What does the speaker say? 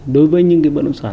đối với những cái bữa nông sản